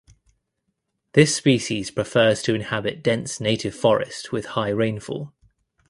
This species prefers to inhabit dense native forest with high rainfall.